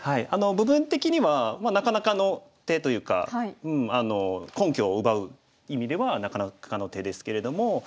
部分的にはなかなかの手というか根拠を奪う意味ではなかなかの手ですけれども。